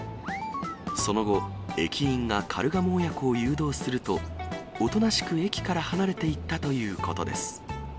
その後、駅員がカルガモ親子を誘導すると、おとなしく駅から離れていったということです。